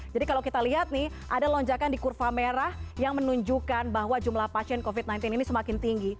jadi kalau kita lihat nih ada lonjakan di kurva merah yang menunjukkan bahwa jumlah pasien covid sembilan belas ini semakin tinggi